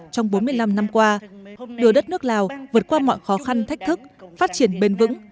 trong bốn mươi năm năm qua đưa đất nước lào vượt qua mọi khó khăn thách thức phát triển bền vững